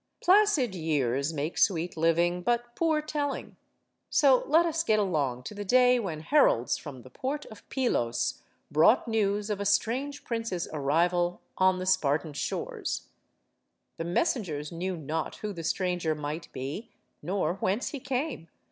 Placid years make sweet living, but poor telling. So let us get along to the day when heralds from the port of Pylos brought news of a strange prince's arrival on the Spartan shores. The messengers knew not who the stranger might be, nor whence he came.